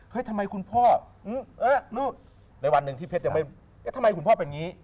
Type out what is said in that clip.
ทำไมคุณพ่อลูกในวันหนึ่งที่เพชรยังไม่เอ๊ะทำไมคุณพ่อเป็นอย่างนี้